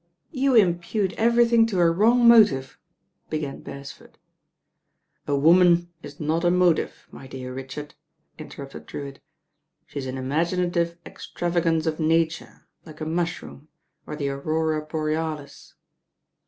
"You impute everything to a wrong motive " began Beresford. "A woman is not a motive, my dear Richard," interrupted Drewitt; "she's an imaginative extrava gance of Nature, like a mushroom, or the aurora borealis."